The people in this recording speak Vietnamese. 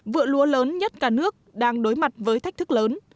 vựa lúa lớn nhất cả nước đang đối mặt với thách thức lớn